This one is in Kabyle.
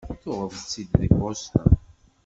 Tuɣeḍ-tt-id deg Boston?